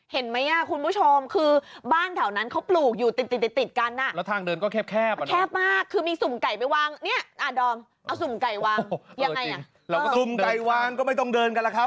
เห็นไหมอ่ะคุณผู้ชมคือบ้านแถวนั้นเขาปลูกอยู่ติดติดติดติดกันอ่ะแล้วทางเดินก็แคบแคบมากคือมีสุ่มไก่ไปวางเนี่ยดอมเอาสุ่มไก่วางยังไงอ่ะเราก็สุ่มไก่วางก็ไม่ต้องเดินกันแล้วครับ